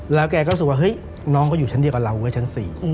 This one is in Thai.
แล้วแกก็รู้สึกว่าเฮ้ยน้องก็อยู่ชั้นเดียวกับเราเว้ยชั้น๔